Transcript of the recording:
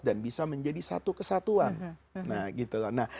dan bisa menjadi satu kesatuan